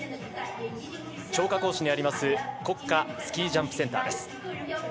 張家口市にあります国家スキージャンプセンターです。